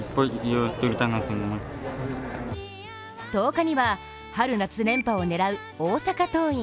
１０日には、春・夏連覇を狙う大阪桐蔭。